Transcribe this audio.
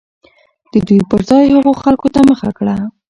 د دوى پر ځاى هغو خلكو ته مخه كړه